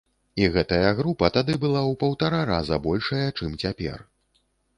І гэтая група тады была ў паўтара раза большая, чым цяпер.